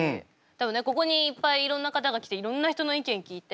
ここにいっぱいいろんな方が来ていろんな人の意見聞いて。